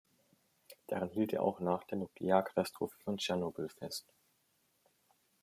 Daran hielt er auch nach der Nuklearkatastrophe von Tschernobyl fest.